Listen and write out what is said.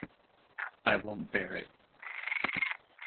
I won’t bear it.